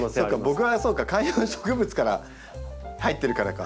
僕はそうか観葉植物から入ってるからか。